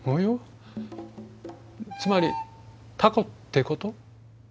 つまりタコってこと？